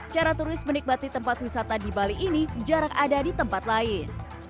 cara turis menikmati tempat wisata di bali ini jarang ada di tempat lain